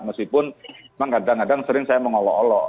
meskipun memang kadang kadang sering saya mengolok olok